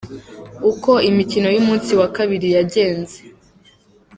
Uko imikino y’umunsi wa Kabiri yagenze:.